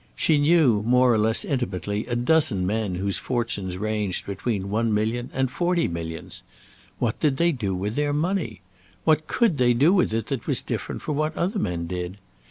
She knew, more or less intimately, a dozen men whose fortunes ranged between one million and forty millions. What did they do with their money? What could they do with it that was different from what other men did?